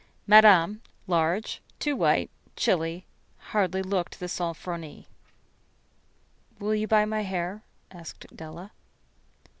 Madame, large, too white, chilly, hardly looked the "Sofronie." "Will you buy my hair?" asked Della.